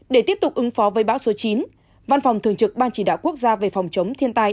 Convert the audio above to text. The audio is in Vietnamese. để tiếp tục ứng phó với bão số chín văn phòng thường trực ban chỉ đạo quốc gia về phòng chống thiên tai